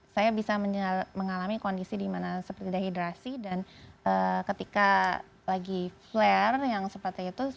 saya bisa mengalami kondisi dimana seperti dehidrasi dan ketika lagi flare yang seperti itu